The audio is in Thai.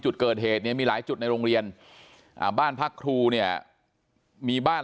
จุดเกิดเหตุเนี่ยมีหลายจุดในโรงเรียนบ้านพักครูเนี่ยมีบ้าน